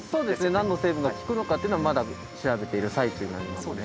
何の成分が効くのかというのはまだ調べている最中になりますね。